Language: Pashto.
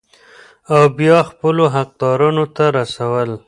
او بيا خپلو حقدارانو ته رسول ،